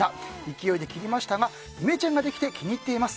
勢いで切りましたがイメチェンができて気に入っています。